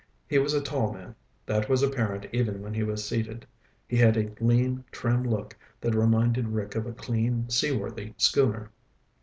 He was a tall man; that was apparent even when he was seated. He had a lean, trim look that reminded Rick of a clean, seaworthy schooner.